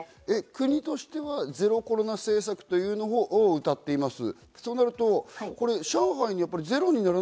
国としてはゼロコロナ政策というのをうたっています。